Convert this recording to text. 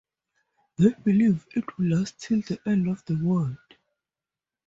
They believe it will last till the end of the world.